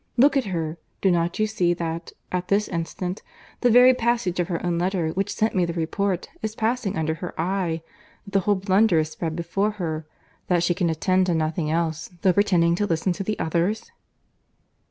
Look at her. Do not you see that, at this instant, the very passage of her own letter, which sent me the report, is passing under her eye—that the whole blunder is spread before her—that she can attend to nothing else, though pretending to listen to the others?"